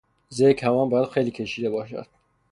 زه کمان باید خیلی کشیده باشد.